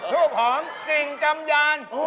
รูปหอมกลิ่นกำยาน